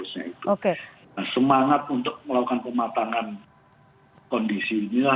semangat untuk melakukan pematangan kondisinya